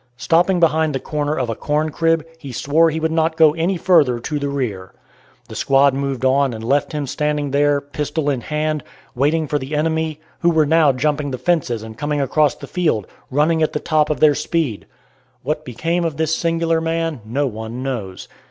Stopping behind the corner of a corn crib he swore he would not go any further to the rear. The squad moved on and left him standing there, pistol in hand, waiting for the enemy, who were now jumping the fences and coming across the field, running at the top of their speed. What became of this singular man no one knows.